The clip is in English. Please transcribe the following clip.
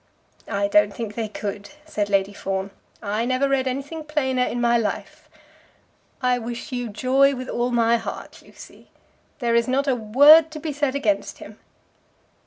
"I don't think they could," said Lady Fawn. "I never read anything plainer in my life. I wish you joy with all my heart, Lucy. There is not a word to be said against him."